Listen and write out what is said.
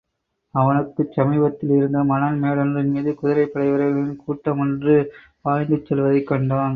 அவனுக்குச் சமீபத்தில் இருந்த மணல் மேடொன்றின் மீது குதிரைப் படைவீரர்களின் கூட்டமொன்று, பாய்ந்து செல்வதைக் கண்டான்.